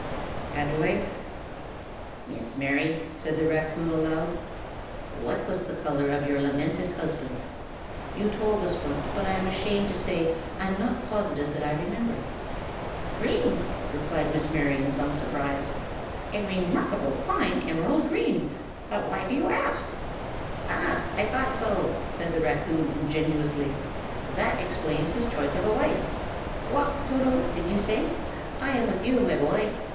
At length "Miss Mary," said the raccoon aloud, "what was the color of your lamented husband? You told us once, but I am ashamed to say I'm not positive that I remember." "Green!" replied Miss Mary, in some surprise, "a remarkably fine emerald green. But why do you ask?" "Ah, I thought so!" said the raccoon, ingenuously. "That explains his choice of a wife. Walk, Toto, did you say? I am with you, my boy!"